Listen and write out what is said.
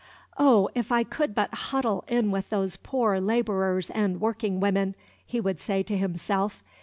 "Oh, if I could but huddle in with those poor laborers and working women!" he would say to himself.